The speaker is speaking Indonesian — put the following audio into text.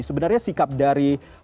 sebenarnya sikap dari